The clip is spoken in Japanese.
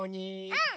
うん！